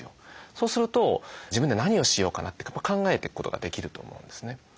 そうすると自分で何をしようかなって考えていくことができると思うんですね。